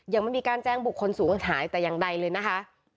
ยังไม่มีการแจ้งบุคคลศูนย์หายแต่อย่างใดเลยนะคะ